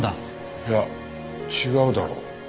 いや違うだろ。